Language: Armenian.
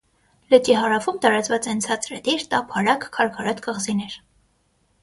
Լճի հարավում տարածված են ցածրադիր, տափարակ, քարքարոտ կղզիներ։